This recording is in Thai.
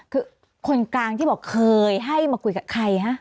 คือคนกลางที่บอกเคยให้มาคุยกับใครฮะ